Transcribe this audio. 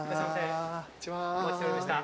お待ちしておりました。